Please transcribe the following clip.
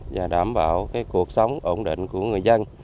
và đảm bảo cuộc sống ổn định của người dân